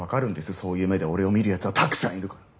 そういう目で俺を見る奴はたくさんいるから。